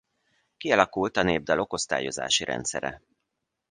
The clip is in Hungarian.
Kialakult a népdalok osztályozási rendszere.